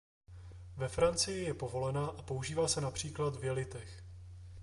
Ve Francii je povolena a používá se například v jelitech.